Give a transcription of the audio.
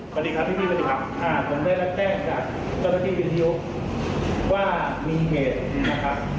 สวัสดีครับพี่สวัสดีครับอ่าผมได้รับแจ้งจากเจ้าหน้าที่วิทยุว่ามีเหตุนะครับ